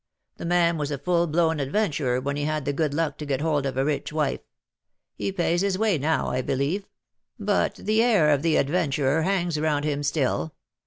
The man was a full blown adventurer when he had the good luck to get hold of a rich wife. He pays his way now, I believe ; but the air of the adventurer hangs round him still.